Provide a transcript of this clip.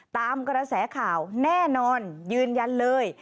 ตามกระแสข่าวแน่นอนยืนยันเลย